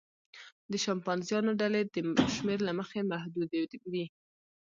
د شامپانزیانو ډلې د شمېر له مخې محدودې وي.